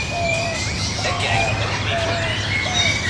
¡É que hai que ter un mínimo!